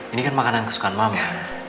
ini kan makanan kesukaan mama